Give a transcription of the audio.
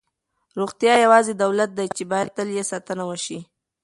روغتیا یوازینی دولت دی چې باید تل یې ساتنه وشي.